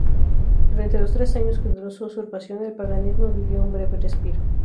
Durante los tres años que duró su usurpación, el paganismo vivió un breve respiro.